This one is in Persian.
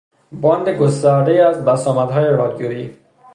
باند گستردهای از بسامدهای رادیویی